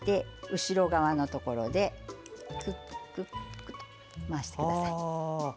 後ろ側のところでグッグッと回してください。